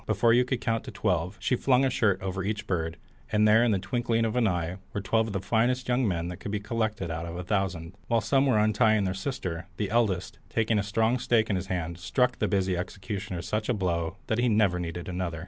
Before you could count twelve, she flung a shirt over each bird, and there in the twinkling of an eye were twelve of the finest young men that could be collected out of a thousand. While some were untying their sister, the eldest, taking a strong stake in his hand, struck the busy executioner such a blow that he never needed another.